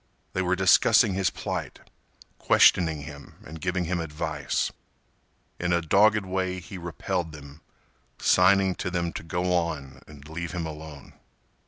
They were discussing his plight, questioning him and giving him advice. In a dogged way he repelled them, signing to them to go on and leave him alone.